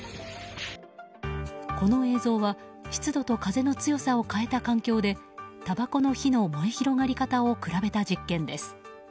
この映像は湿度と風の強さを変えた環境でたばこの火の燃え広がり方を比べた実験です。